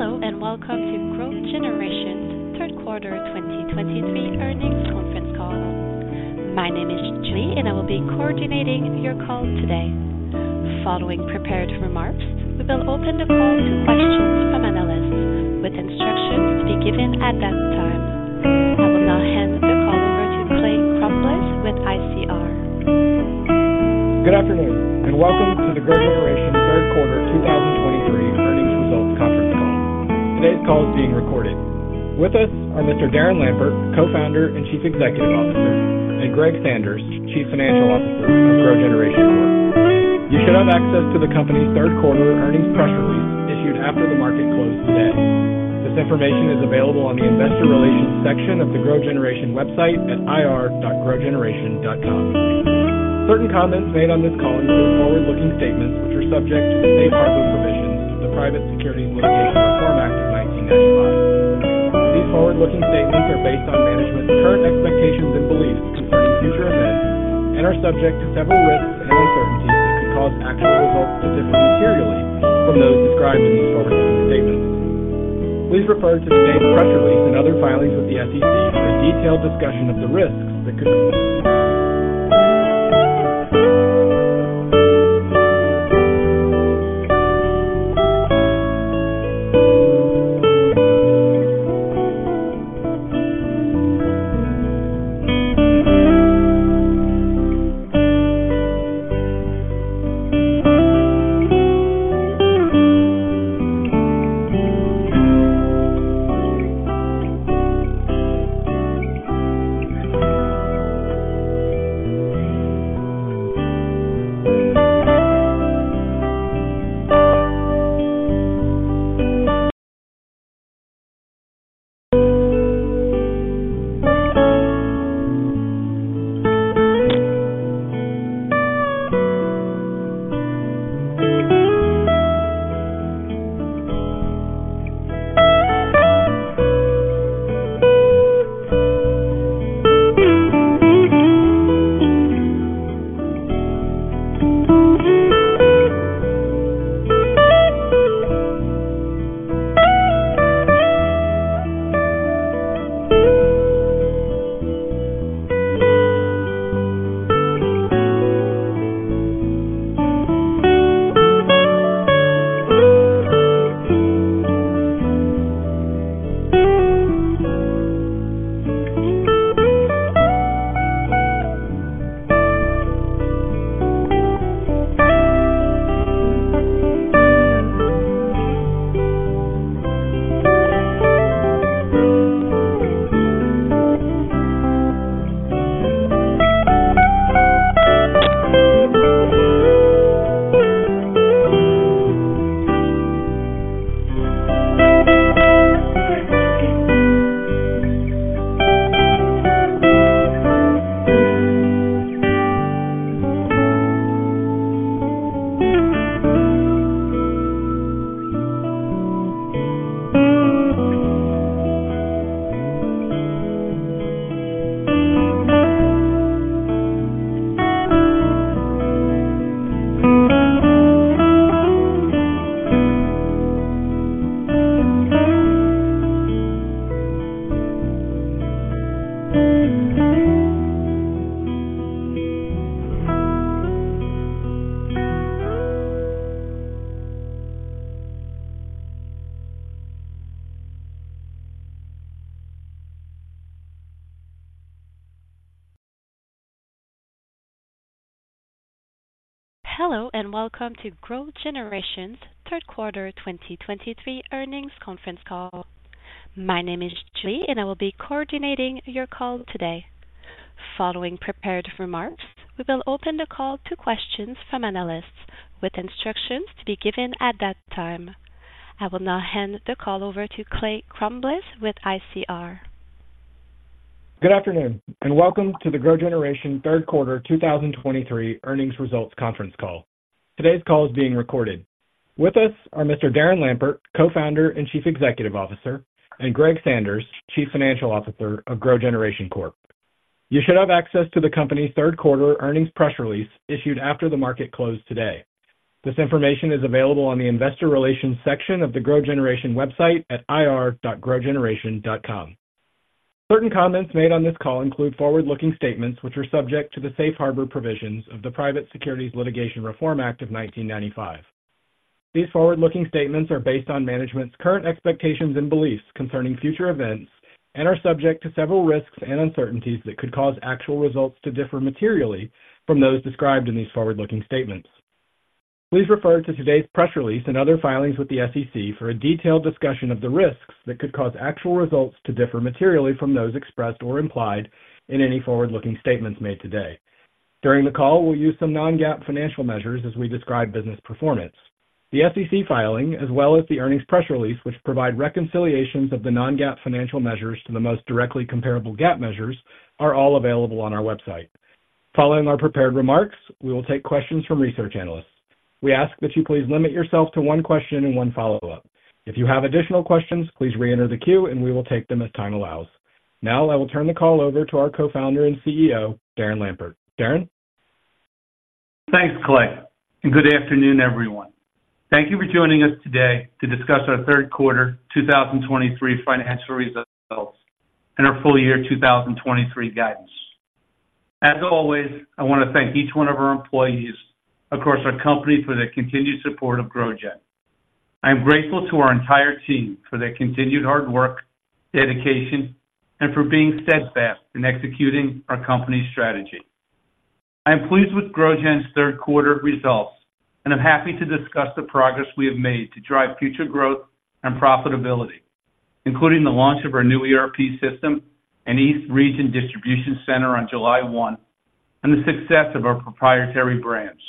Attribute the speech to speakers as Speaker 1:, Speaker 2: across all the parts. Speaker 1: Hello, and welcome to GrowGeneration's Third Quarter 2023 Earnings Conference Call. My name is Julie, and I will be coordinating your call today. Following prepared remarks, we will open the call to questions from analysts with instructions to be given at that time. I will now hand the call over to Clay Crumbliss with ICR.
Speaker 2: Good afternoon, and welcome to the GrowGeneration Third Quarter 2023 Earnings Results Conference Call. Today's call is being recorded. With us are Mr. Darren Lampert, Co-founder and Chief Executive Officer, and Greg Sanders, Chief Financial Officer of GrowGeneration Corp. You should have access to the company's third quarter earnings press release issued after the market closed today. This information is available on the investor relations section of the GrowGeneration website at ir.growgeneration.com. Please refer to today's press release and other filings with the SEC for a detailed discussion of the risks that could cause actual results to differ materially from those expressed or implied in any forward-looking statements made today. During the call, we'll use some non-GAAP financial measures as we describe business performance. The SEC filing, as well as the earnings press release, which provide reconciliations of the non-GAAP financial measures to the most directly comparable GAAP measures, are all available on our website. Following our prepared remarks, we will take questions from research analysts. We ask that you please limit yourself to one question and one follow-up. If you have additional questions, please reenter the queue, and we will take them as time allows. Now, I will turn the call over to our Co-founder and CEO, Darren Lampert. Darren?...
Speaker 3: Thanks, Clay, and good afternoon, everyone. Thank you for joining us today to discuss our third quarter 2023 financial results and our full year 2023 guidance. As always, I want to thank each one of our employees across our company for their continued support of GrowGen. I am grateful to our entire team for their continued hard work, dedication, and for being steadfast in executing our company's strategy. I am pleased with GrowGen's third quarter results, and I'm happy to discuss the progress we have made to drive future growth and profitability, including the launch of our new ERP system and East Region Distribution Center on July 1, and the success of our proprietary brands.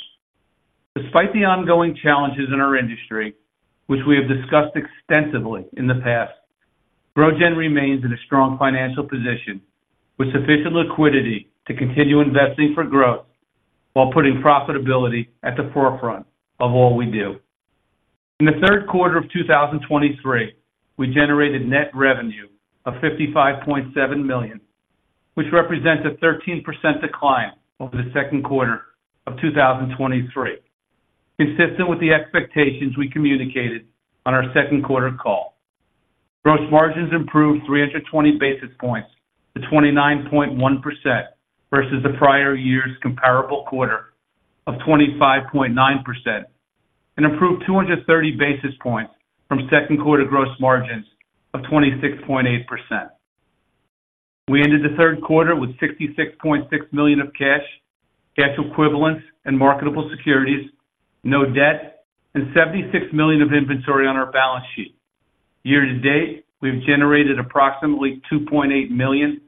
Speaker 3: Despite the ongoing challenges in our industry, which we have discussed extensively in the past, GrowGen remains in a strong financial position with sufficient liquidity to continue investing for growth while putting profitability at the forefront of all we do. In the third quarter of 2023, we generated net revenue of $55.7 million, which represents a 13% decline over the second quarter of 2023, consistent with the expectations we communicated on our second quarter call. Gross margins improved 320 basis points to 29.1% versus the prior year's comparable quarter of 25.9%, and improved 230 basis points from second quarter gross margins of 26.8%. We ended the third quarter with $66.6 million of cash, cash equivalents, and marketable securities, no debt, and $76 million of inventory on our balance sheet. Year to date, we've generated approximately $2.8 million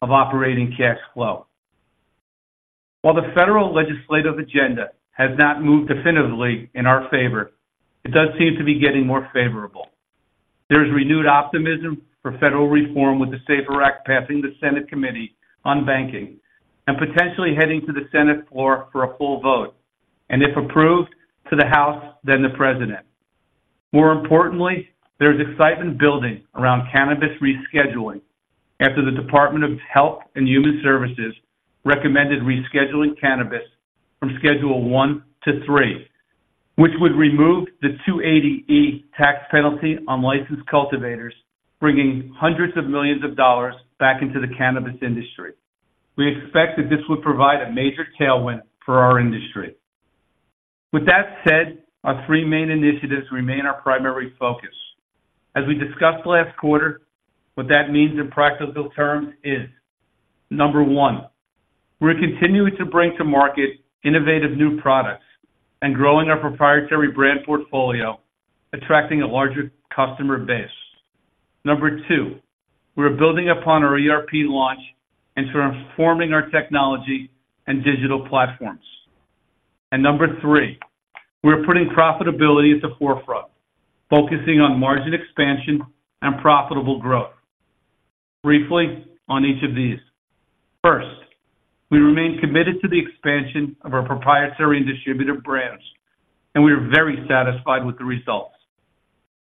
Speaker 3: of operating cash flow. While the federal legislative agenda has not moved definitively in our favor, it does seem to be getting more favorable. There is renewed optimism for federal reform, with the SAFER Act passing the Senate Committee on Banking and potentially heading to the Senate floor for a full vote, and if approved, to the House, then the President. More importantly, there's excitement building around cannabis rescheduling after the Department of Health and Human Services recommended rescheduling cannabis from Schedule I to III, which would remove the 280E tax penalty on licensed cultivators, bringing hundreds of millions of dollars back into the cannabis industry. We expect that this would provide a major tailwind for our industry. With that said, our three main initiatives remain our primary focus. As we discussed last quarter, what that means in practical terms is, number one, we're continuing to bring to market innovative new products and growing our proprietary brand portfolio, attracting a larger customer base. Number two, we're building upon our ERP launch and transforming our technology and digital platforms. And number three, we're putting profitability at the forefront, focusing on margin expansion and profitable growth. Briefly on each of these. First, we remain committed to the expansion of our proprietary and distributor brands, and we are very satisfied with the results.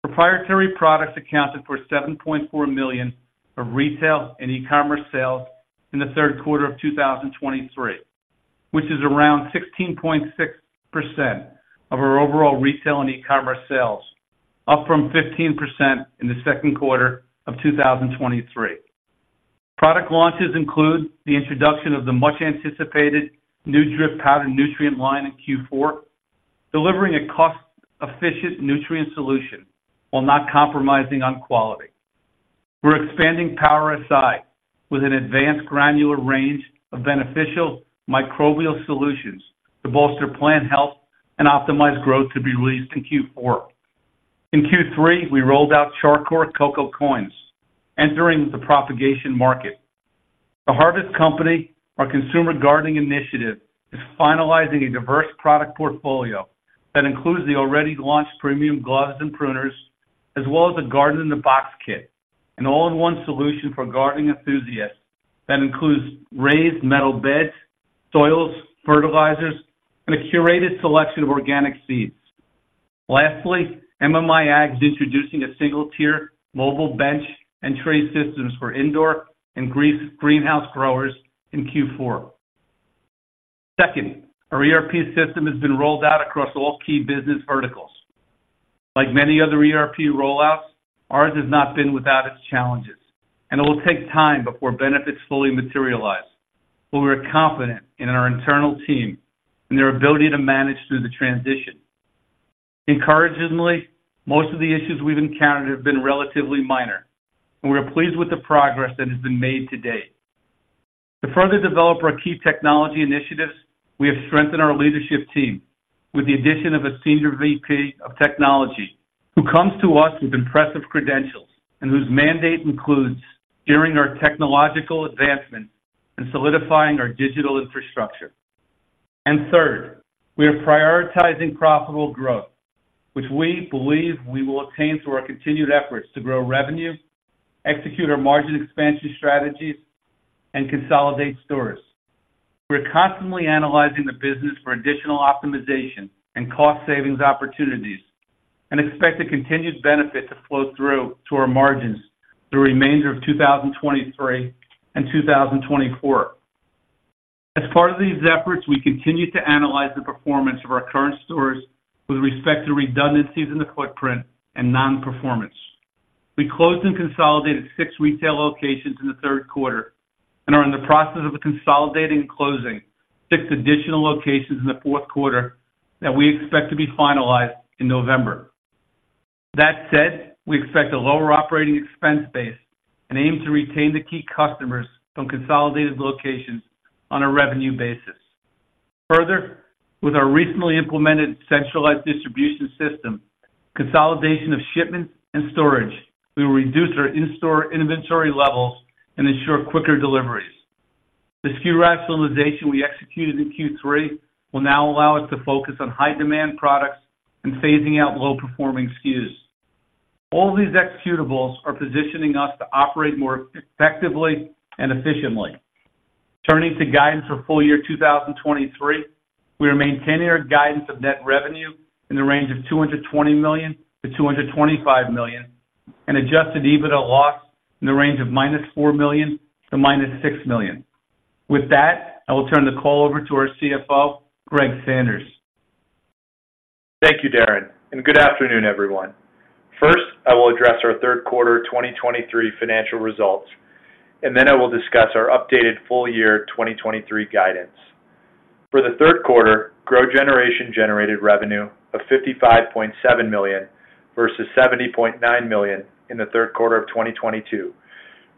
Speaker 3: Proprietary products accounted for $7.4 million of retail and e-commerce sales in the third quarter of 2023, which is around 16.6% of our overall retail and e-commerce sales, up from 15% in the second quarter of 2023. Product launches include the introduction of the much-anticipated new Drip powder nutrient line in Q4, delivering a cost-efficient nutrient solution while not compromising on quality. We're expanding Power Si with an advanced granular range of beneficial microbial solutions to bolster plant health and optimize growth to be released in Q4. In Q3, we rolled out Char Coir Coco Coir, entering the propagation market. The Harvest Company, our consumer gardening initiative, is finalizing a diverse product portfolio that includes the already launched premium gloves and pruners, as well as a Garden in a Box kit, an all-in-one solution for gardening enthusiasts that includes raised metal beds, soils, fertilizers, and a curated selection of organic seeds. Lastly, MMI Ag is introducing a single-tier mobile bench and tray systems for indoor and greenhouse growers in Q4. Second, our ERP system has been rolled out across all key business verticals. Like many other ERP rollouts, ours has not been without its challenges, and it will take time before benefits fully materialize, but we are confident in our internal team and their ability to manage through the transition. Encouragingly, most of the issues we've encountered have been relatively minor, and we are pleased with the progress that has been made to date. To further develop our key technology initiatives, we have strengthened our leadership team with the addition of a Senior VP of Technology, who comes to us with impressive credentials and whose mandate includes steering our technological advancements and solidifying our digital infrastructure. And third, we are prioritizing profitable growth, which we believe we will attain through our continued efforts to grow revenue, execute our margin expansion strategies, and consolidate stores. We're constantly analyzing the business for additional optimization and cost savings opportunities, and expect a continued benefit to flow through to our margins through the remainder of 2023 and 2024. As part of these efforts, we continue to analyze the performance of our current stores with respect to redundancies in the footprint and non-performance. We closed and consolidated six retail locations in the third quarter and are in the process of consolidating and closing six additional locations in the fourth quarter that we expect to be finalized in November. That said, we expect a lower operating expense base and aim to retain the key customers from consolidated locations on a revenue basis. Further, with our recently implemented centralized distribution system, consolidation of shipments, and storage, we will reduce our in-store inventory levels and ensure quicker deliveries. The SKU rationalization we executed in Q3 will now allow us to focus on high-demand products and phasing out low-performing SKUs. All these executables are positioning us to operate more effectively and efficiently. Turning to guidance for full year 2023, we are maintaining our guidance of net revenue in the range of $220 million-$225 million, and Adjusted EBITDA loss in the range of -$4 million to -$6 million. With that, I will turn the call over to our CFO, Greg Sanders.
Speaker 4: Thank you, Darren, and good afternoon, everyone. First, I will address our third quarter 2023 financial results, and then I will discuss our updated full year 2023 guidance. For the third quarter, GrowGeneration generated revenue of $55.7 million versus $70.9 million in the third quarter of 2022,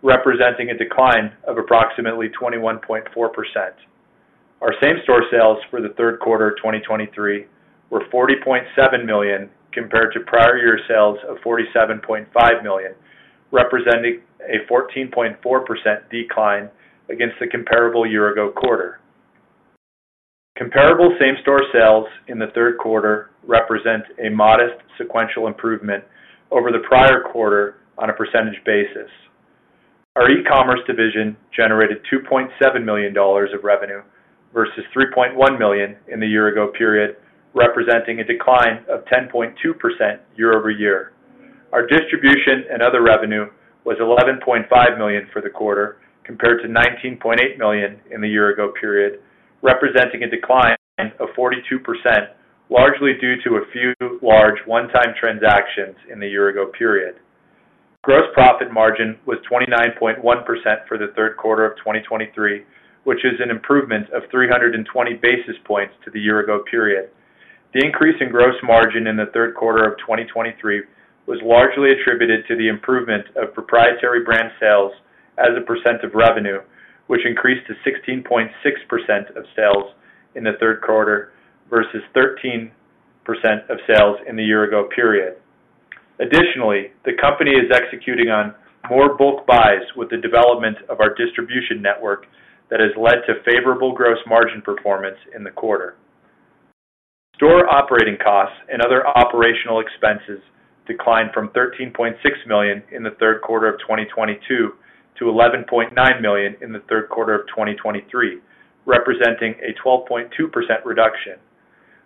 Speaker 4: representing a decline of approximately 21.4%. Our same-store sales for the third quarter of 2023 were $40.7 million compared to prior year sales of $47.5 million, representing a 14.4% decline against the comparable year-ago quarter. Comparable same-store sales in the third quarter represent a modest sequential improvement over the prior quarter on a percentage basis. Our e-commerce division generated $2.7 million of revenue versus $3.1 million in the year-ago period, representing a decline of 10.2% YoY. Our distribution and other revenue was $11.5 million for the quarter, compared to $19.8 million in the year-ago period, representing a decline of 42%, largely due to a few large one-time transactions in the year-ago period. Gross profit margin was 29.1% for the third quarter of 2023, which is an improvement of 320 basis points to the year-ago period. The increase in gross margin in the third quarter of 2023 was largely attributed to the improvement of proprietary brand sales as a percent of revenue, which increased to 16.6% of sales in the third quarter versus 13% of sales in the year-ago period. Additionally, the company is executing on more bulk buys with the development of our distribution network that has led to favorable gross margin performance in the quarter. Store operating costs and other operational expenses declined from $13.6 million in the third quarter of 2022 to $11.9 million in the third quarter of 2023, representing a 12.2% reduction.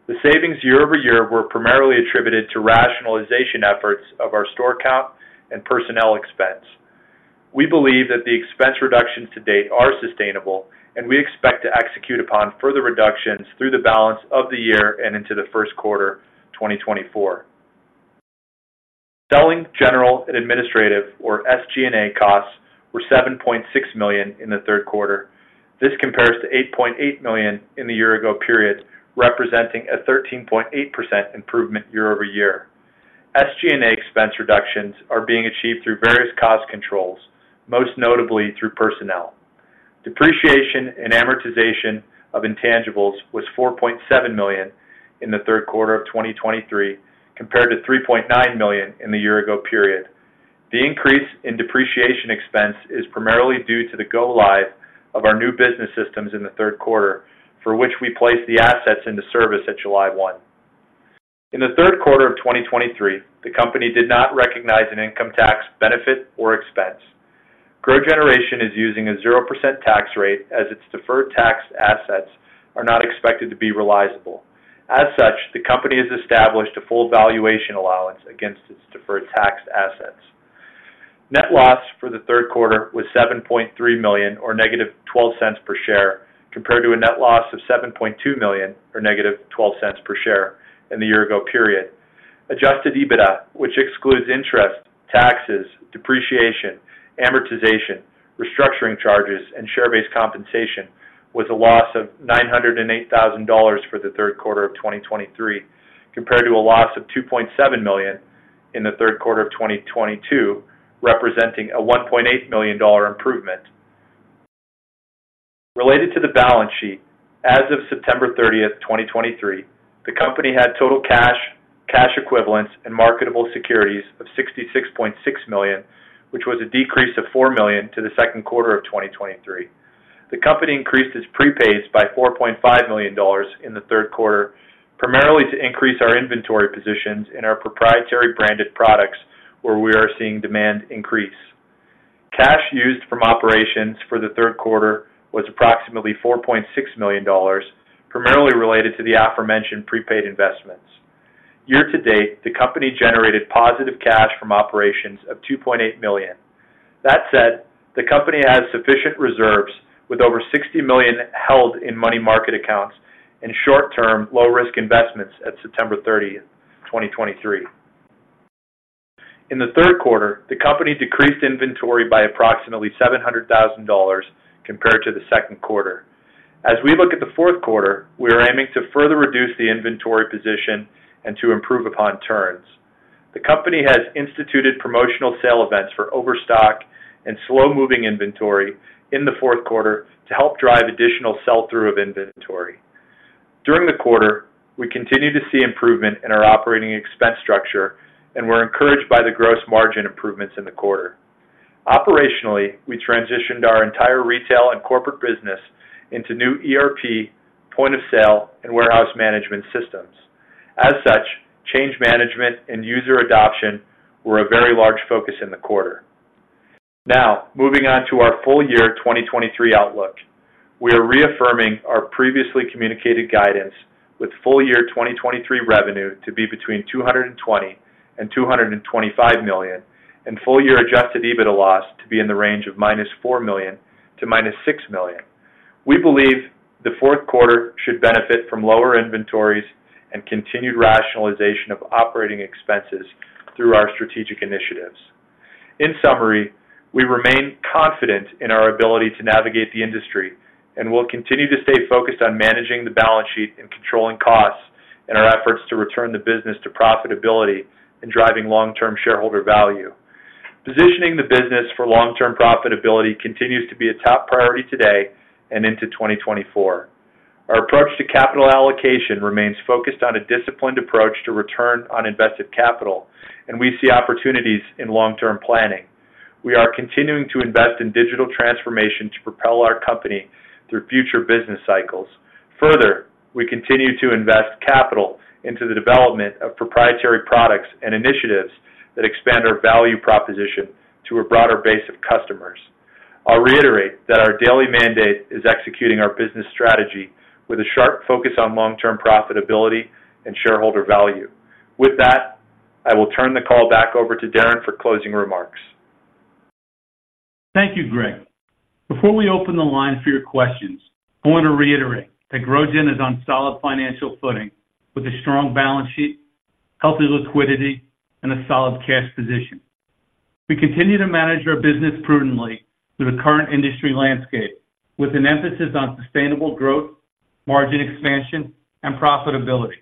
Speaker 4: The savings YoY were primarily attributed to rationalization efforts of our store count and personnel expense. We believe that the expense reductions to date are sustainable, and we expect to execute upon further reductions through the balance of the year and into the first quarter 2024. Selling, General, and Administrative, or SG&A costs, were $7.6 million in the third quarter. This compares to $8.8 million in the year-ago period, representing a 13.8% improvement YoY. SG&A expense reductions are being achieved through various cost controls, most notably through personnel. Depreciation and amortization of intangibles was $4.7 million in the third quarter of 2023, compared to $3.9 million in the year-ago period. The increase in depreciation expense is primarily due to the go live of our new business systems in the third quarter, for which we placed the assets into service at July 1. In the third quarter of 2023, the company did not recognize an income tax benefit or expense. GrowGeneration is using a 0% tax rate as its deferred tax assets are not expected to be realizable. As such, the company has established a full valuation allowance against its deferred tax assets. Net loss for the third quarter was $7.3 million, or -$0.12 per share, compared to a net loss of $7.2 million, or -$0.12 per share in the year-ago period. Adjusted EBITDA, which excludes interest, taxes, depreciation, amortization, restructuring charges, and share-based compensation, was a loss of $908,000 for the third quarter of 2023, compared to a loss of $2.7 million in the third quarter of 2022, representing a $1.8 million improvement. Related to the balance sheet, as of September 30, 2023, the company had total cash, cash equivalents, and marketable securities of $66.6 million, which was a decrease of $4 million to the second quarter of 2023. The company increased its prepaids by $4.5 million in the third quarter, primarily to increase our inventory positions in our proprietary branded products, where we are seeing demand increase. Cash used from operations for the third quarter was approximately $4.6 million, primarily related to the aforementioned prepaid investments. Year to date, the company generated positive cash from operations of $2.8 million. That said, the company has sufficient reserves, with over $60 million held in money market accounts and short-term, low-risk investments at September 30th, 2023. In the third quarter, the company decreased inventory by approximately $700,000 compared to the second quarter. As we look at the fourth quarter, we are aiming to further reduce the inventory position and to improve upon turns. The company has instituted promotional sale events for overstock and slow-moving inventory in the fourth quarter to help drive additional sell-through of inventory. During the quarter, we continued to see improvement in our operating expense structure, and we're encouraged by the gross margin improvements in the quarter. Operationally, we transitioned our entire retail and corporate business into new ERP, point of sale, and warehouse management systems. As such, change management and user adoption were a very large focus in the quarter. Now, moving on to our full year 2023 outlook. We are reaffirming our previously communicated guidance, with full-year 2023 revenue to be between $220 million and $225 million, and full-year Adjusted EBITDA loss to be in the range of -$4 million to -$6 million. We believe the fourth quarter should benefit from lower inventories and continued rationalization of operating expenses through our strategic initiatives. In summary, we remain confident in our ability to navigate the industry and will continue to stay focused on managing the balance sheet and controlling costs in our efforts to return the business to profitability and driving long-term shareholder value. Positioning the business for long-term profitability continues to be a top priority today and into 2024. Our approach to capital allocation remains focused on a disciplined approach to return on invested capital, and we see opportunities in long-term planning. We are continuing to invest in digital transformation to propel our company through future business cycles. Further, we continue to invest capital into the development of proprietary products and initiatives that expand our value proposition to a broader base of customers. I'll reiterate that our daily mandate is executing our business strategy with a sharp focus on long-term profitability and shareholder value. With that, I will turn the call back over to Darren for closing remarks.
Speaker 3: Thank you, Greg. Before we open the line for your questions, I want to reiterate that GrowGen is on solid financial footing, with a strong balance sheet, healthy liquidity, and a solid cash position. We continue to manage our business prudently through the current industry landscape, with an emphasis on sustainable growth, margin expansion, and profitability.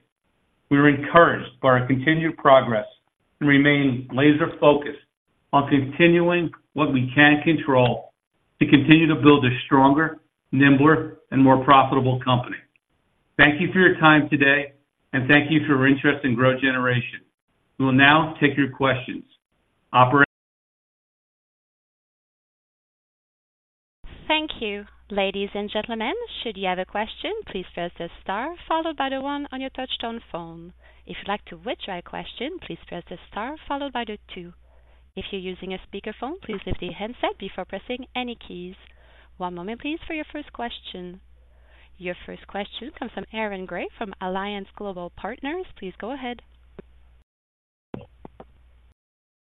Speaker 3: We are encouraged by our continued progress and remain laser focused on continuing what we can control to continue to build a stronger, nimbler, and more profitable company. Thank you for your time today, and thank you for your interest in GrowGeneration. We will now take your questions. Operator?
Speaker 1: Thank you. Ladies and gentlemen, should you have a question, please press the star followed by the one on your touchtone phone. If you'd like to withdraw your question, please press the star followed by the two. If you're using a speakerphone, please lift the handset before pressing any keys. One moment, please, for your first question. Your first question comes from Aaron Grey from Alliance Global Partners. Please go ahead.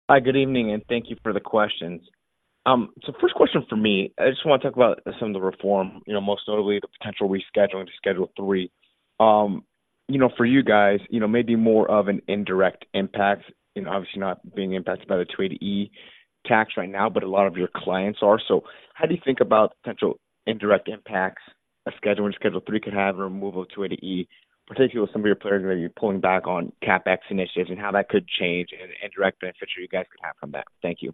Speaker 5: Hi, good evening, and thank you for the questions. So first question for me, I just want to talk about some of the reform, you know, most notably the potential rescheduling of Schedule III. You know, for you guys, you know, may be more of an indirect impact and obviously not being impacted by the 280E tax right now, but a lot of your clients are. So how do you think about potential indirect impacts a scheduling Schedule III could have, or removal of 280E, particularly with some of your players, maybe pulling back on CapEx initiatives and how that could change and the indirect benefit you guys could have from that? Thank you.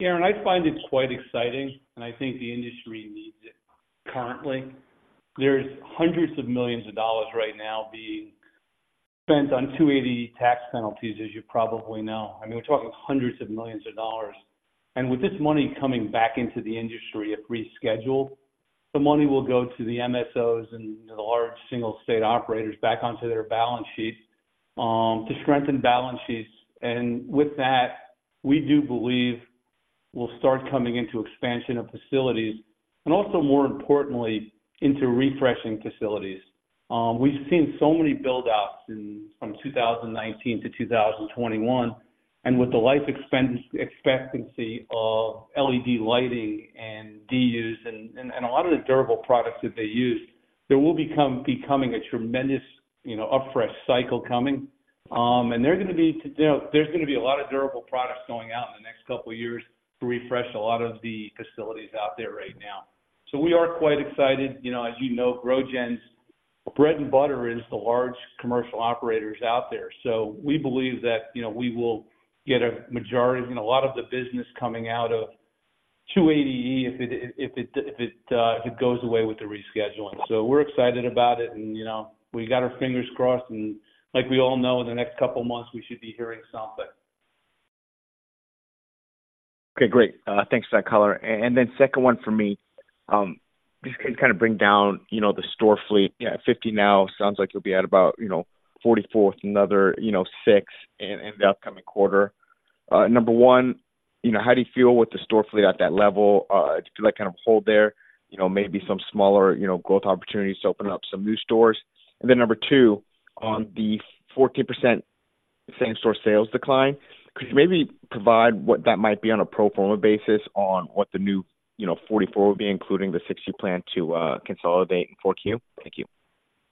Speaker 3: Aaron, I find it quite exciting, and I think the industry needs it currently. There's hundreds of millions of dollars right now being spent on 280E tax penalties, as you probably know. I mean, we're talking hundreds of millions of dollars. And with this money coming back into the industry, if rescheduled, the money will go to the MSOs and the large single state operators back onto their balance sheets to strengthen balance sheets. And with that, we do believe we'll start coming into expansion of facilities and also, more importantly, into refreshing facilities. We've seen so many buildouts in from 2019 to 2021, and with the life expectancy of LED lighting and Dus and a lot of the durable products that they use, there will become becoming a tremendous, you know, refresh cycle coming. And there are going to be, you know, there's going to be a lot of durable products going out in the next couple of years to refresh a lot of the facilities out there right now. So we are quite excited. You know, as you know, GrowGen's bread and butter is the large commercial operators out there. So we believe that, you know, we will get a majority and a lot of the business coming out of 280E, if it goes away with the rescheduling. So we're excited about it, and, you know, we got our fingers crossed, and like we all know, in the next couple of months, we should be hearing something.
Speaker 5: Okay, great. Thanks for that color. And then second one for me. This can kind of bring down, you know, the store fleet. Yeah, 50 now, sounds like you'll be at about, you know, 44 with another, you know, six in the upcoming quarter. Number one, you know, how do you feel with the store fleet at that level? Do I kind of hold there, you know, maybe some smaller, you know, growth opportunities to open up some new stores? And then number two, on the 14% same-store sales decline, could you maybe provide what that might be on a pro forma basis on what the new, you know, 44 will be, including the 6 you plan to consolidate in Q4? Thank you.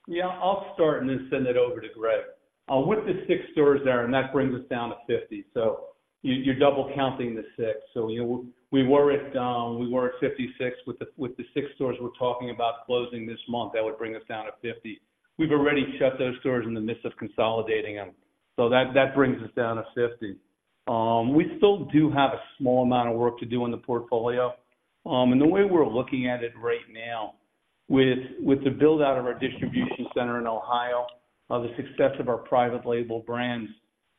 Speaker 3: Yeah, I'll start and then send it over to Greg. With the six stores there, and that brings us down to 50. So you, you're double counting the six. So, you know, we were at, we were at 56. With the six stores we're talking about closing this month, that would bring us down to 50. We've already shut those stores in the midst of consolidating them, so that brings us down to 50. We still do have a small amount of work to do on the portfolio. And the way we're looking at it right now, with the build-out of our distribution center in Ohio, the success of our private label brands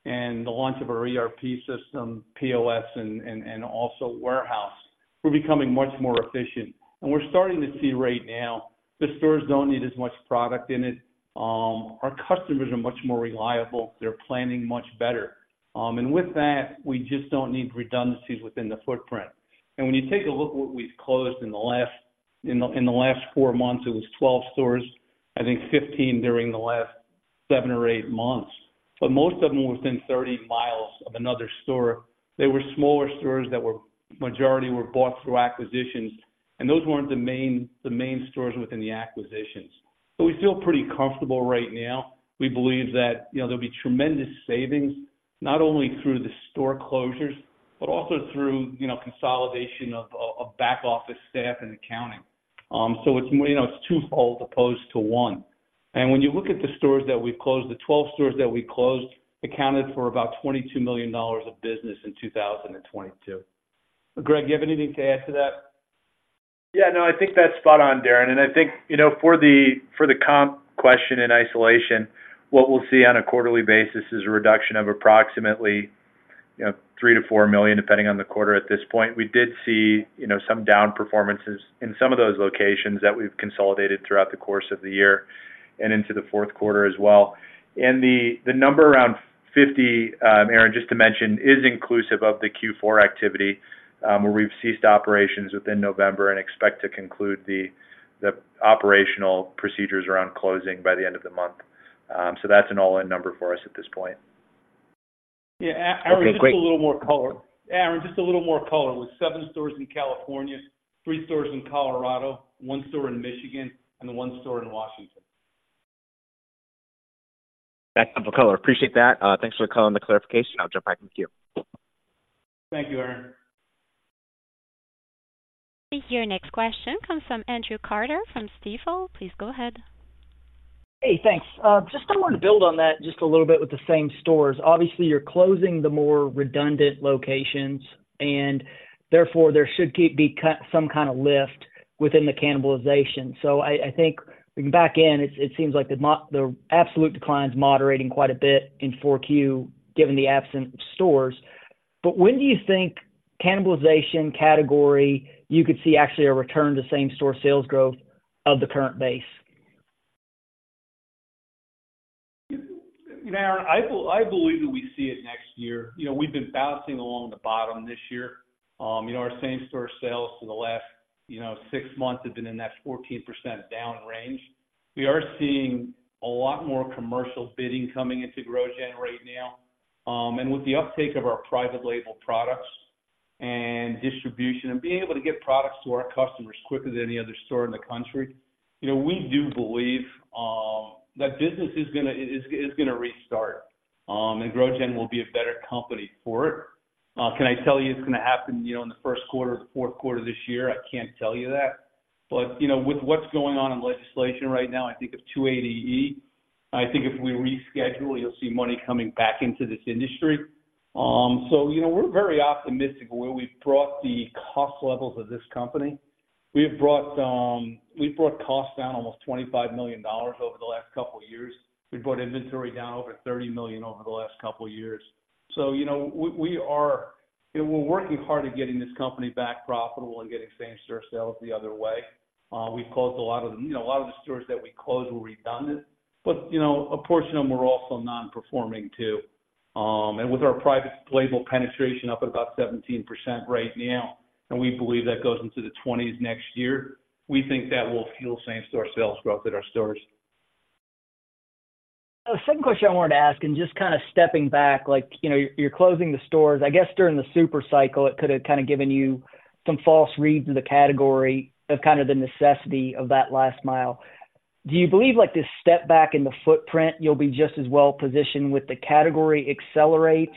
Speaker 3: and the launch of our ERP system, POS and also warehouse, we're becoming much more efficient. And we're starting to see right now, the stores don't need as much product in it. Our customers are much more reliable. They're planning much better. And with that, we just don't need redundancies within the footprint. And when you take a look at what we've closed in the last four months, it was 12 stores, I think 15 during the last seven or eight months, but most of them were within 30 miles of another store. They were smaller stores that majority were bought through acquisitions, and those weren't the main stores within the acquisitions. So we feel pretty comfortable right now. We believe that, you know, there'll be tremendous savings, not only through the store closures, but also through, you know, consolidation of back office staff and accounting. So it's, you know, it's twofold as opposed to one. When you look at the stores that we've closed, the 12 stores that we closed accounted for about $22 million of business in 2022. Greg, do you have anything to add to that?
Speaker 4: Yeah, no, I think that's spot on, Darren. And I think, you know, for the comp question in isolation, what we'll see on a quarterly basis is a reduction of approximately, you know, $3 million-$4 million, depending on the quarter at this point. We did see, you know, some down performances in some of those locations that we've consolidated throughout the course of the year and into the fourth quarter as well. And the number around 50, Aaron, just to mention, is inclusive of the Q4 activity, where we've ceased operations within November and expect to conclude the operational procedures around closing by the end of the month. So that's an all-in number for us at this point.
Speaker 3: Yeah, Aaron-
Speaker 5: Okay, great.
Speaker 3: Just a little more color. Aaron, just a little more color. It was seven stores in California, three stores in Colorado, one store in Michigan, and the one store in Washington.
Speaker 5: That type of color. Appreciate that. Thanks for calling the clarification. I'll jump back in the queue.
Speaker 3: Thank you, Aaron.
Speaker 1: Your next question comes from Andrew Carter from Stifel. Please go ahead.
Speaker 6: Hey, thanks. Just wanted to build on that just a little bit with the same stores. Obviously, you're closing the more redundant locations, and therefore there should be some kind of lift within the cannibalization. So I think looking back in, it seems like the absolute decline is moderating quite a bit in 4Q, given the absence of stores. But when do you think cannibalization category, you could see actually a return to same-store sales growth of the current base?
Speaker 3: You know, Aaron, I believe that we see it next year. You know, we've been bouncing along the bottom this year. You know, our same-store sales for the last six months have been in that 14% down range. We are seeing a lot more commercial bidding coming into GrowGen right now. And with the uptake of our private label products and distribution and being able to get products to our customers quicker than any other store in the country, you know, we do believe that business is gonna restart, and GrowGen will be a better company for it. Can I tell you it's gonna happen, you know, in the first quarter or the fourth quarter this year? I can't tell you that. But, you know, with what's going on in legislation right now, I think of 280E, I think if we reschedule, you'll see money coming back into this industry. So, you know, we're very optimistic where we've brought the cost levels of this company. We've brought costs down almost $25 million over the last couple of years. We've brought inventory down over $30 million over the last couple of years. So you know, we're working hard at getting this company back profitable and getting same-store sales the other way. We've closed a lot of them. You know, a lot of the stores that we closed were redundant, but, you know, a portion of them were also non-performing, too. With our private label penetration up at about 17% right now, and we believe that goes into the twenties next year, we think that will fuel same-store sales growth at our stores.
Speaker 6: The second question I wanted to ask, and just kind of stepping back, like, you know, you're closing the stores. I guess during the super cycle, it could have kind of given you some false reads of the category of kind of the necessity of that last mile. Do you believe, like, this step back in the footprint, you'll be just as well positioned with the category accelerates?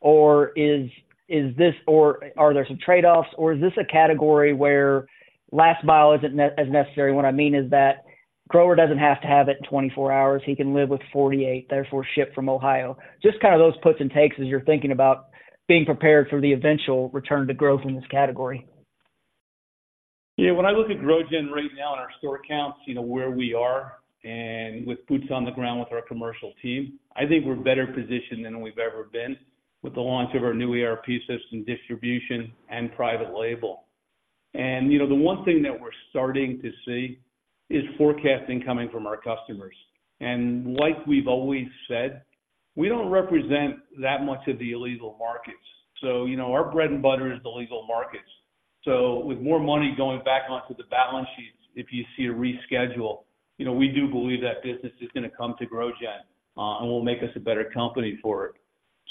Speaker 6: Or is, is this or are there some trade-offs, or is this a category where last mile isn't as necessary? What I mean is that grower doesn't have to have it in 24 hours. He can live with 48, therefore, ship from Ohio. Just kind of those puts and takes as you're thinking about being prepared for the eventual return to growth in this category.
Speaker 3: Yeah, when I look at GrowGen right now in our store counts, you know, where we are, and with boots on the ground with our commercial team, I think we're better positioned than we've ever been, with the launch of our new ERP system, distribution, and private label. And, you know, the one thing that we're starting to see is forecasting coming from our customers. And like we've always said, we don't represent that much of the illegal markets. So, you know, our bread and butter is the legal markets. So with more money going back onto the balance sheets, if you see a reschedule, you know, we do believe that business is gonna come to GrowGen, and will make us a better company for it.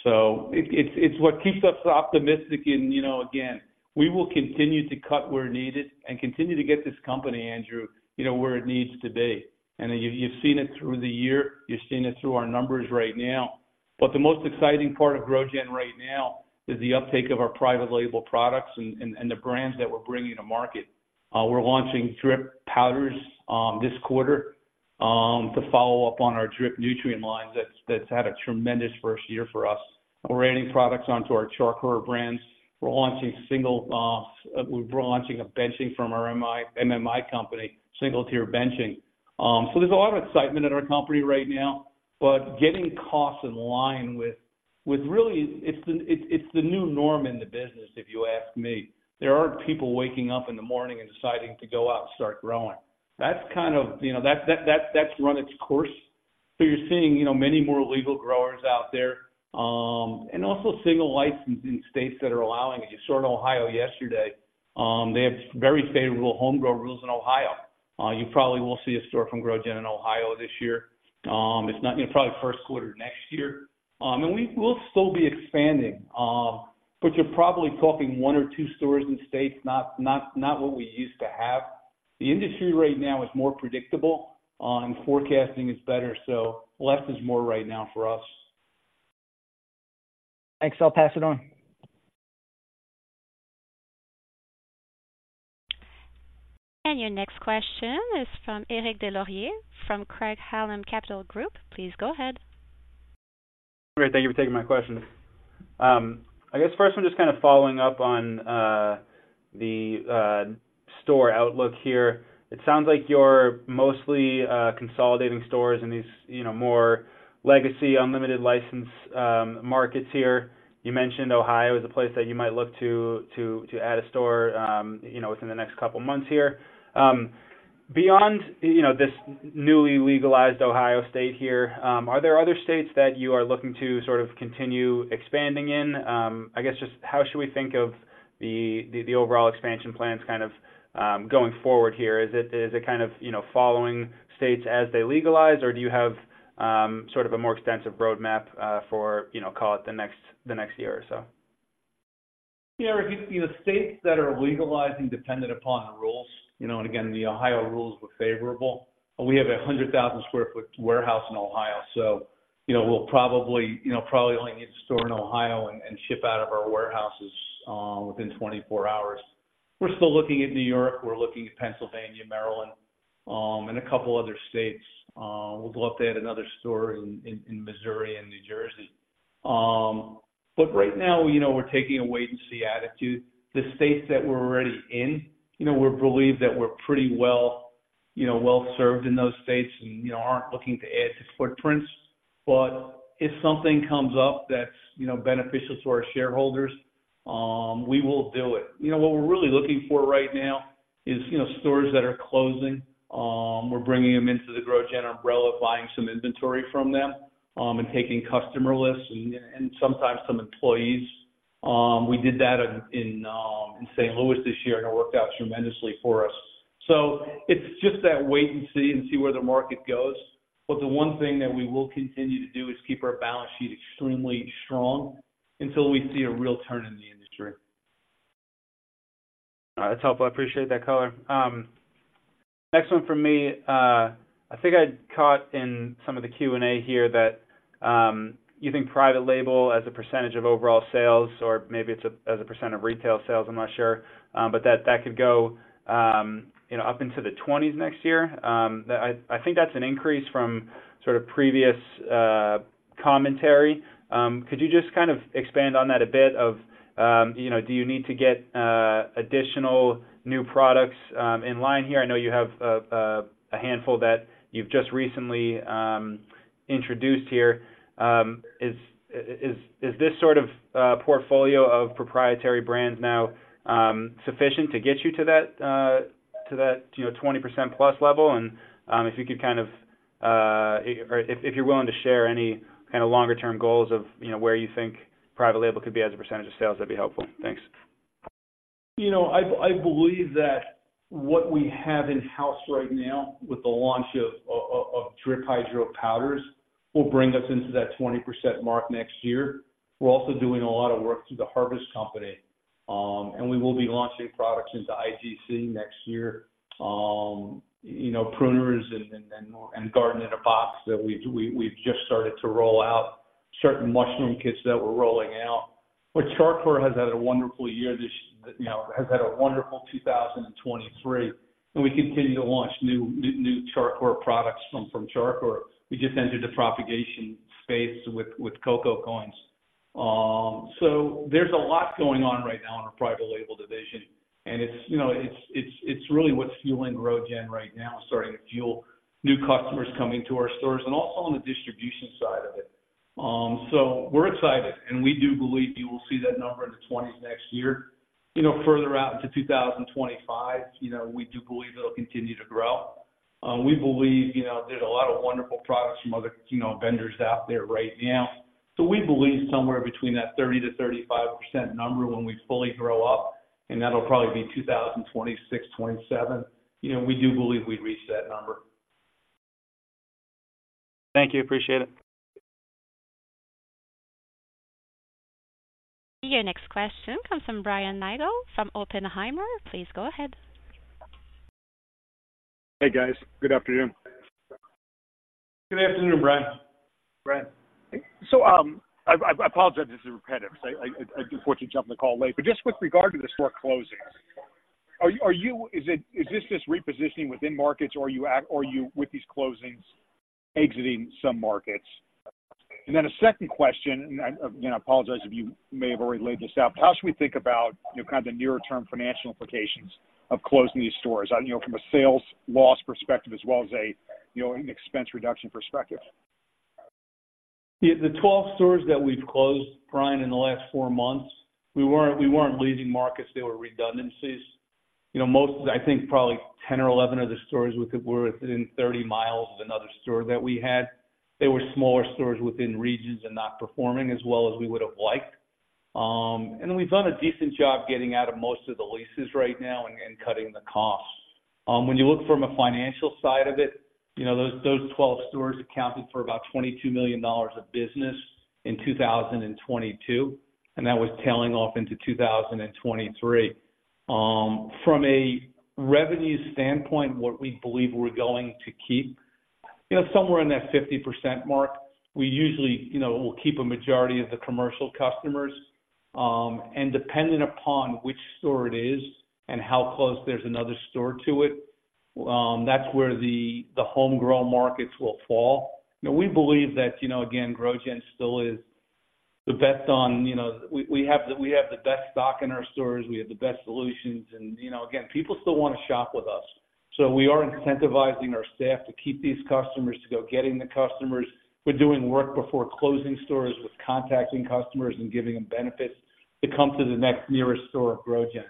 Speaker 3: So it, it's, it's what keeps us optimistic. And, you know, again, we will continue to cut where needed and continue to get this company, Andrew, you know, where it needs to be. And you, you've seen it through the year, you've seen it through our numbers right now. But the most exciting part of GrowGen right now is the uptake of our private label products and, and, and the brands that we're bringing to market. We're launching Drip powders, this quarter, to follow up on our Drip nutrient line that's, that's had a tremendous first year for us. We're adding products onto our Char Coir brands. We're launching single, we're launching a benching from our MMI company, single-tier benching. So there's a lot of excitement at our company right now, but getting costs in line with, with really... It's the, it's, it's the new norm in the business if you ask me. There aren't people waking up in the morning and deciding to go out and start growing. That's kind of, you know, that's run its course. So you're seeing, you know, many more legal growers out there, and also single license in states that are allowing it. You saw in Ohio yesterday, they have very favorable homegrow rules in Ohio. You probably will see a store from GrowGen in Ohio this year. If not, you know, probably first quarter next year. And we'll still be expanding, but you're probably talking one or two stores in states, not what we used to have. The industry right now is more predictable, forecasting is better, so less is more right now for us.
Speaker 6: Thanks. I'll pass it on.
Speaker 1: Your next question is from Eric Des Lauriers, from Craig-Hallum Capital Group. Please go ahead.
Speaker 7: Great. Thank you for taking my question. I guess first I'm just kind of following up on the store outlook here. It sounds like you're mostly consolidating stores in these, you know, more legacy, unlimited license markets here. You mentioned Ohio is a place that you might look to add a store, you know, within the next couple of months here. Beyond, you know, this newly legalized Ohio state here, are there other states that you are looking to sort of continue expanding in? I guess just how should we think of the overall expansion plans kind of going forward here? Is it, is it kind of, you know, following states as they legalize, or do you have, sort of a more extensive roadmap, for, you know, call it the next, the next year or so?
Speaker 3: Yeah, you know, states that are legalizing dependent upon the rules, you know, and again, the Ohio rules were favorable. We have a 100,000 sq ft warehouse in Ohio, so, you know, we'll probably, you know, probably only need a store in Ohio and ship out of our warehouses within 24 hours. We're still looking at New York, we're looking at Pennsylvania, Maryland, and a couple other states. We'd love to add another store in Missouri and New Jersey. But right now, you know, we're taking a wait and see attitude. The states that we're already in, you know, we believe that we're pretty well, you know, well served in those states and, you know, aren't looking to add to footprints. But if something comes up that's, you know, beneficial to our shareholders, we will do it. You know, what we're really looking for right now is, you know, stores that are closing, we're bringing them into the GrowGen umbrella, buying some inventory from them, and taking customer lists and sometimes some employees. We did that in St. Louis this year, and it worked out tremendously for us. So it's just that wait and see and see where the market goes. But the one thing that we will continue to do is keep our balance sheet extremely strong until we see a real turn in the industry.
Speaker 7: That's helpful. I appreciate that color. Next one from me, I think I caught in some of the Q&A here that, you think private label as a percentage of overall sales, or maybe it's a, as a percent of retail sales, I'm not sure. But that, that could go, you know, up into the 20s next year. I think that's an increase from sort of previous, commentary. Could you just kind of expand on that a bit of, you know, do you need to get, additional new products, in line here? I know you have, a handful that you've just recently, introduced here. Is this sort of, portfolio of proprietary brands now, sufficient to get you to that, to that, you know, 20% plus level? If you could kind of... Or if you're willing to share any kind of longer-term goals of, you know, where you think private label could be as a percentage of sales, that'd be helpful. Thanks.
Speaker 3: You know, I believe that what we have in-house right now with the launch of Drip Hydro Powders will bring us into that 20% mark next year. We're also doing a lot of work through the Harvest Company, and we will be launching products into IGC next year. You know, pruners and garden in a box that we've just started to roll out. Certain mushroom kits that we're rolling out. But Char Coir has had a wonderful year this, you know, has had a wonderful 2023, and we continue to launch new Char Coir products from Char Coir. We just entered the propagation space with coco coir. So there's a lot going on right now in our private label division. And it's, you know, it's, it's, it's really what's fueling GrowGen right now, starting to fuel new customers coming to our stores and also on the distribution side of it. So we're excited, and we do believe you will see that number in the 20s next year. You know, further out into 2025, you know, we do believe it'll continue to grow. We believe, you know, there's a lot of wonderful products from other, you know, vendors out there right now. So we believe somewhere between that 30%-35% number when we fully grow up, and that'll probably be 2026, 2027. You know, we do believe we'd reach that number.
Speaker 7: Thank you. Appreciate it.
Speaker 1: Your next question comes from Brian Nagel from Oppenheimer. Please go ahead.
Speaker 8: Hey, guys. Good afternoon.
Speaker 3: Good afternoon, Brian. Greg?
Speaker 8: So, I apologize if this is repetitive. I unfortunately jumped on the call late, but just with regard to the store closings, is this just repositioning within markets, or are you, with these closings, exiting some markets? And then a second question, and I again apologize if you may have already laid this out, but how should we think about, you know, kind of the near-term financial implications of closing these stores? I know from a sales loss perspective as well as a, you know, an expense reduction perspective.
Speaker 3: The 12 stores that we've closed, Brian, in the last four months, we weren't leaving markets, they were redundancies. You know, most, I think probably 10 or 11 of the stores were within 30 miles of another store that we had. They were smaller stores within regions and not performing as well as we would have liked. And we've done a decent job getting out of most of the leases right now and cutting the costs. When you look from a financial side of it, you know, those 12 stores accounted for about $22 million of business in 2022, and that was tailing off into 2023. From a revenue standpoint, what we believe we're going to keep, you know, somewhere in that 50% mark. We usually, you know, we'll keep a majority of the commercial customers. Depending upon which store it is and how close there's another store to it, that's where the homegrown markets will fall. You know, we believe that, you know, again, GrowGen still is the best on... You know, we, we have the, we have the best stock in our stores, we have the best solutions, and, you know, again, people still want to shop with us. So we are incentivizing our staff to keep these customers, to go getting the customers. We're doing work before closing stores, with contacting customers and giving them benefits to come to the next nearest store of GrowGen's.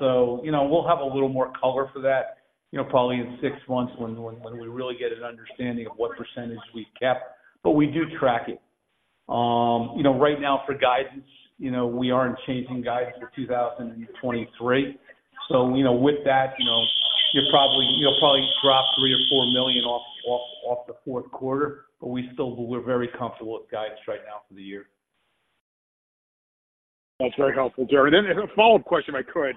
Speaker 3: So you know, we'll have a little more color for that, you know, probably in six months when we really get an understanding of what percentage we've kept, but we do track it. You know, right now for guidance, you know, we aren't changing guidance for 2023. So, you know, with that, you know, you'll probably drop $3-$4 million off the fourth quarter, but we still, we're very comfortable with guidance right now for the year.
Speaker 8: That's very helpful, Darren. And a follow-up question, if I could,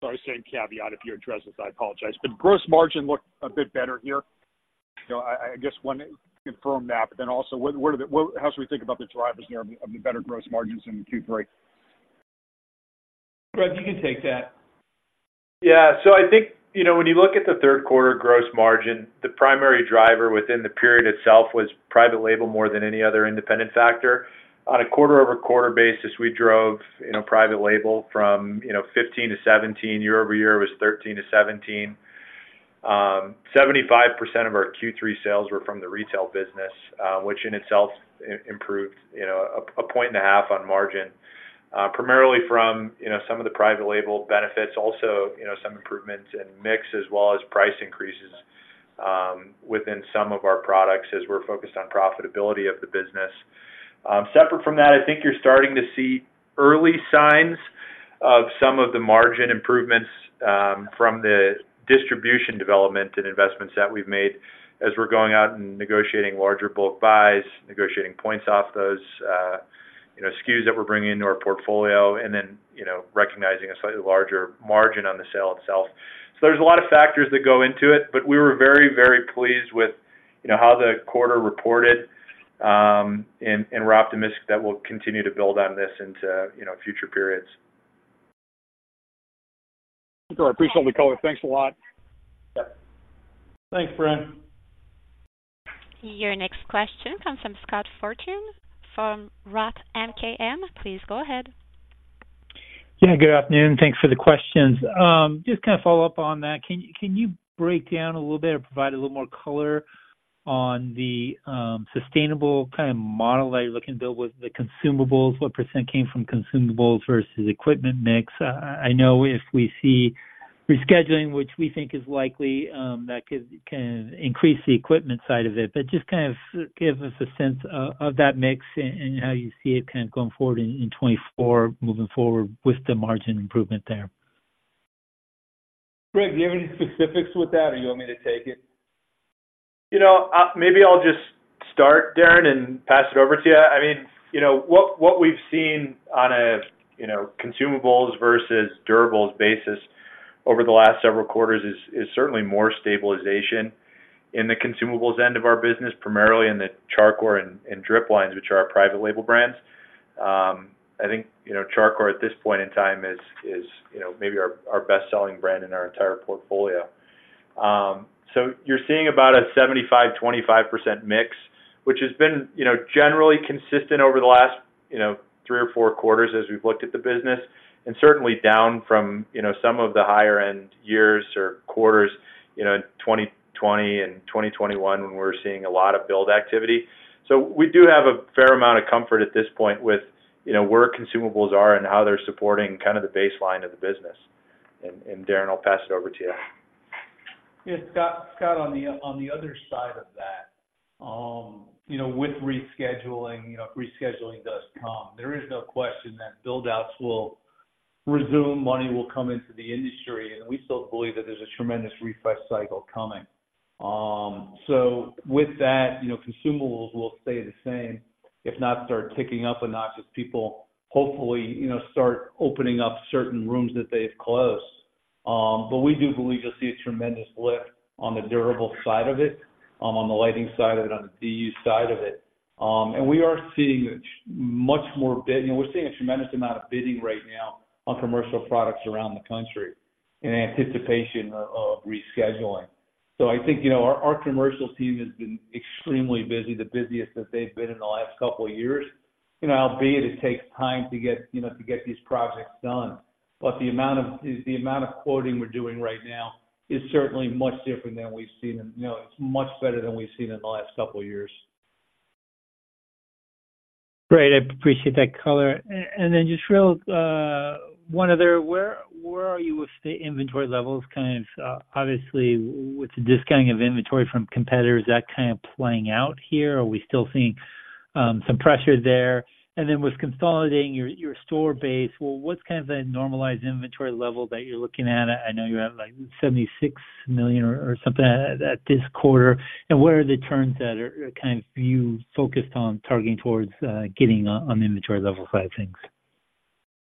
Speaker 8: sorry, same caveat of you addressing this, I apologize, but gross margin looked a bit better here. You know, I guess want to confirm that, but then also, what are the – how should we think about the drivers here of the better gross margins in Q3?
Speaker 3: Greg, you can take that.
Speaker 4: Yeah. So I think, you know, when you look at the third quarter gross margin, the primary driver within the period itself was private label more than any other independent factor. On a QoQ basis, we drove, you know, private label from, you know, 15%-17%, YoY was 13%-17%. Seventy-five percent of our Q3 sales were from the retail business, which in itself improved, you know, 1.5 points on margin, primarily from, you know, some of the private label benefits, also, you know, some improvements in mix, as well as price increases within some of our products as we're focused on profitability of the business. Separate from that, I think you're starting to see early signs of some of the margin improvements from the distribution development and investments that we've made as we're going out and negotiating larger bulk buys, negotiating points off those, you know, SKUs that we're bringing into our portfolio, and then, you know, recognizing a slightly larger margin on the sale itself. So there's a lot of factors that go into it, but we were very, very pleased with, you know, how the quarter reported, and, and we're optimistic that we'll continue to build on this into, you know, future periods.
Speaker 8: I appreciate the color. Thanks a lot.
Speaker 4: Yep.
Speaker 3: Thanks, Brian.
Speaker 1: Your next question comes from Scott Fortune from Roth MKM. Please go ahead.
Speaker 9: Yeah, good afternoon. Thanks for the questions. Just kind of follow up on that. Can you, can you break down a little bit or provide a little more color on the sustainable kind of model that you're looking to build with the consumables? What % came from consumables versus equipment mix? I know if we see rescheduling, which we think is likely, that could, can increase the equipment side of it. But just kind of give us a sense of that mix and how you see it kind of going forward in 2024, moving forward with the margin improvement there.
Speaker 3: Greg, do you have any specifics with that, or you want me to take it?
Speaker 4: You know, maybe I'll just start, Darren, and pass it over to you. I mean, you know, what we've seen on a, you know, consumables versus durables basis over the last several quarters is certainly more stabilization in the consumables end of our business, primarily in the Char Coir and drip lines, which are our private label brands. I think, you know, Char Coir at this point in time is, you know, maybe our best-selling brand in our entire portfolio. So you're seeing about a 75-25% mix, which has been, you know, generally consistent over the last, you know, three or four quarters as we've looked at the business, and certainly down from, you know, some of the higher-end years or quarters, you know, in 2020 and 2021, when we were seeing a lot of build activity. So we do have a fair amount of comfort at this point with, you know, where consumables are and how they're supporting kind of the baseline of the business. And Darren, I'll pass it over to you.
Speaker 3: Yeah, Scott, Scott, on the other side of that, you know, with rescheduling, you know, rescheduling does come. There is no question that buildouts will resume, money will come into the industry, and we still believe that there's a tremendous refresh cycle coming. So with that, you know, consumables will stay the same, if not start ticking up a notch as people hopefully, you know, start opening up certain rooms that they've closed. But we do believe you'll see a tremendous lift on the durable side of it, on the lighting side of it, on the DU side of it. And we are seeing much more bidding, you know, we're seeing a tremendous amount of bidding right now on commercial products around the country in anticipation of rescheduling. So I think, you know, our commercial team has been extremely busy, the busiest that they've been in the last couple of years. You know, albeit it takes time to get, you know, to get these projects done. But the amount of quoting we're doing right now is certainly much different than we've seen in... You know, it's much better than we've seen in the last couple of years.
Speaker 9: Great. I appreciate that color. And then just real, one other: Where are you with the inventory levels? Kind of, obviously, with the discounting of inventory from competitors, is that kind of playing out here, or are we still seeing, some pressure there? And then with consolidating your store base, well, what's kind of the normalized inventory level that you're looking at? I know you have, like, $76 million or something at this quarter. And where are the turns that are kind of you focused on targeting towards, getting on the inventory level side of things?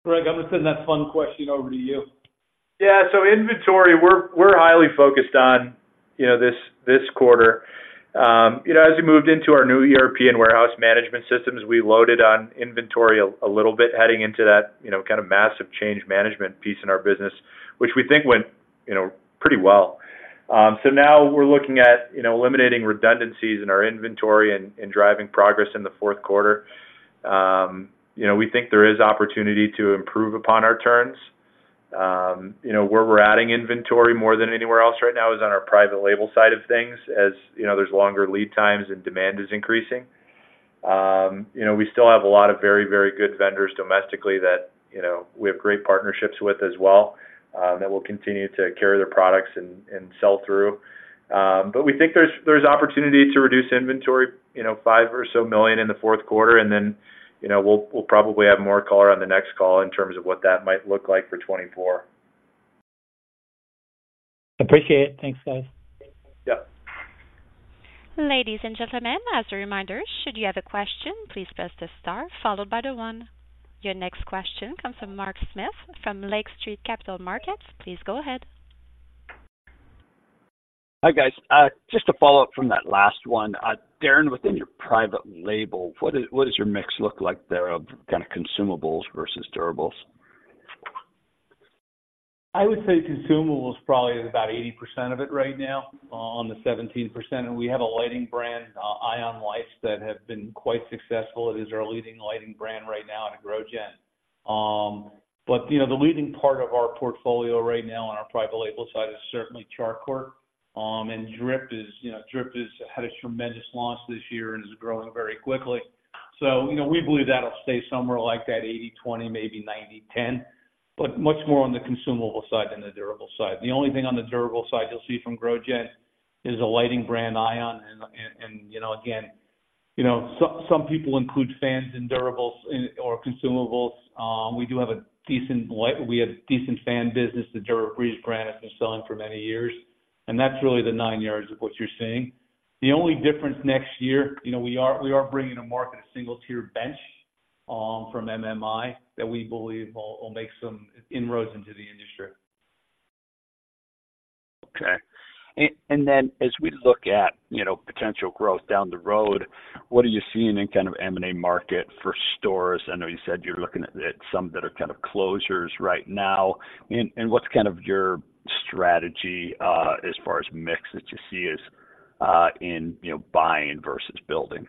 Speaker 3: Greg, I'm gonna send that fun question over to you.
Speaker 4: Yeah. So inventory, we're highly focused on, you know, this quarter. You know, as we moved into our new European warehouse management systems, we loaded on inventory a little bit, adding into that, you know, kind of massive change management piece in our business, which we think went, you know, pretty well. So now we're looking at, you know, eliminating redundancies in our inventory and driving progress in the fourth quarter. You know, we think there is opportunity to improve upon our turns. You know, where we're adding inventory more than anywhere else right now is on our private label side of things, as, you know, there's longer lead times and demand is increasing. You know, we still have a lot of very, very good vendors domestically that, you know, we have great partnerships with as well, that will continue to carry their products and sell through. But we think there's opportunity to reduce inventory, you know, $5 million or so in the fourth quarter, and then, you know, we'll probably have more color on the next call in terms of what that might look like for 2024.
Speaker 9: Appreciate it. Thanks, guys.
Speaker 4: Yep.
Speaker 1: Ladies and gentlemen, as a reminder, should you have a question, please press the star followed by the one. Your next question comes from Mark Smith from Lake Street Capital Markets. Please go ahead.
Speaker 10: Hi, guys. Just to follow up from that last one. Darren, within your private label, what does, what does your mix look like there of kind of consumables versus durables?
Speaker 3: I would say consumables probably is about 80% of it right now, on the 17%. And we have a lighting brand, ION Lights, that have been quite successful. It is our leading lighting brand right now in GrowGen. But, you know, the leading part of our portfolio right now on our private label side is certainly Char Coir. And Drip is, you know, Drip has had a tremendous launch this year and is growing very quickly. So, you know, we believe that'll stay somewhere like that 80-20, maybe 90-10, but much more on the consumable side than the durable side. The only thing on the durable side you'll see from GrowGen is a lighting brand, ION, and, you know, again, you know, some people include fans in durables or consumables. We have decent fan business. The DuraBreeze brand has been selling for many years, and that's really the nine yards of what you're seeing. The only difference next year, you know, we are, we are bringing to market a single-tier bench from MMI, that we believe will, will make some inroads into the industry.
Speaker 10: Okay. Then as we look at, you know, potential growth down the road, what are you seeing in kind of M&A market for stores? I know you said you're looking at some that are kind of closures right now. What's kind of your strategy, as far as mix that you see is, you know, buying versus building?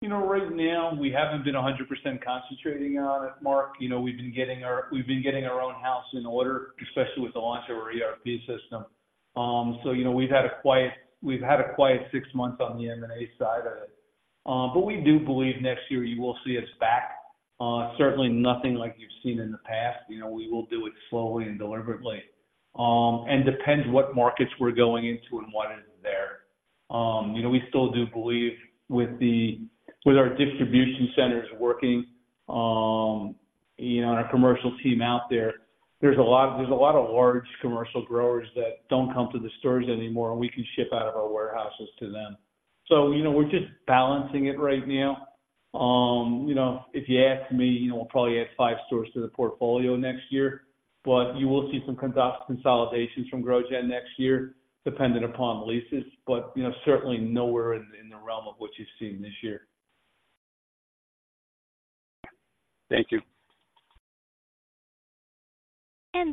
Speaker 3: You know, right now, we haven't been 100% concentrating on it, Mark. You know, we've been getting our own house in order, especially with the launch of our ERP system. So, you know, we've had a quiet six months on the M&A side of it. But we do believe next year you will see us back. Certainly nothing like you've seen in the past. You know, we will do it slowly and deliberately. And depends what markets we're going into and what isn't there. You know, we still do believe with our distribution centers working, you know, and our commercial team out there, there's a lot of large commercial growers that don't come to the stores anymore, and we can ship out of our warehouses to them. So, you know, we're just balancing it right now. You know, if you ask me, you know, we'll probably add five stores to the portfolio next year, but you will see some consolidations from GrowGen next year, dependent upon the leases, but, you know, certainly nowhere in the realm of what you've seen this year.
Speaker 10: Thank you.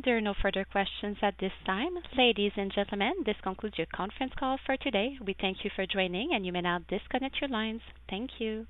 Speaker 1: There are no further questions at this time. Ladies and gentlemen, this concludes your conference call for today. We thank you for joining, and you may now disconnect your lines. Thank you.